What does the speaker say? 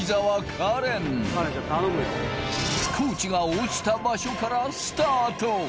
カレン地が落ちた場所からスタート